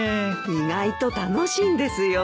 意外と楽しいんですよ。